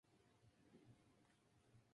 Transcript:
Comprende doce especies.